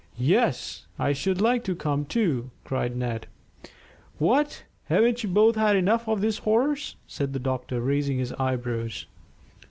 "Yes, I should like to come too," cried Ned. "What, haven't you both had enough of these horrors?" said the doctor, raising his eyebrows.